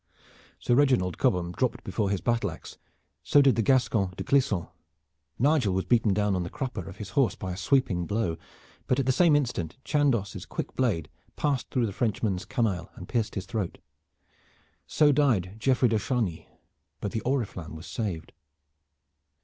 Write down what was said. Sir Reginald Cobham dropped before his battle ax, so did the Gascon de Clisson. Nigel was beaten down on to the crupper of his horse by a sweeping blow; but at the same instant Chandos' quick blade passed through the Frenchman's camail and pierced his throat. So died Geoffrey de Chargny; but the oriflamme was saved.